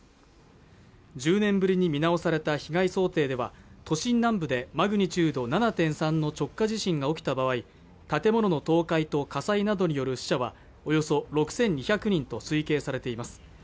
１０年ぶりに見直された被害想定では都心南部でマグニチュード７．３の直下地震が起きた場合建物の倒壊と火災などによる死者はおよそ６２００人と推計されています